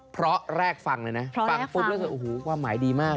เพราะแรกฟังเลยนะฟังปุ๊บแล้วสิอูหูว่าหมายดีมากเลย